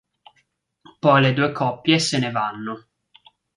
Poi le due coppie se ne vanno.